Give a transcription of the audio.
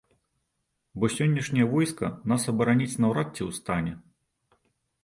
Бо сённяшняе войска нас абараніць наўрад ці ў стане.